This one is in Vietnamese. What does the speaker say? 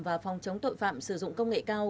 và phòng chống tội phạm sử dụng công nghệ cao